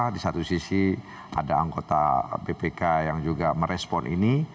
di satu sisi ada anggota bpk yang juga merespon ini